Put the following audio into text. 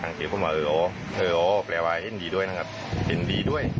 ทั้งชีวิตพูดมาเอ่อเอ่อแปลว่าเห็นดีด้วยนะครับเห็นดีด้วย